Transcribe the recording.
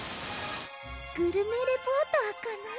グルメリポーターかな？